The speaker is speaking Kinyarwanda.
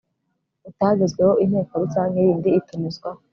utagezweho inteko rusange yindi itumizwa